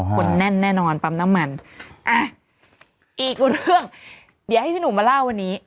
คนแน่นแน่นอนปั๊มน้ำมันอ่ะอีกเรื่องเดี๋ยวให้พี่หนุ่มมาเล่าวันนี้